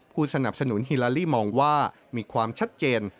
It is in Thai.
ผู้สนับสนุนฮิลาลี่มองว่ามีความชัดเจน